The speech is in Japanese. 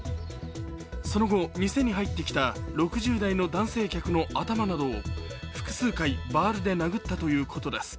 その後、店に入ってきた６０代の男性客の頭などを複数回バールで殴ったということです。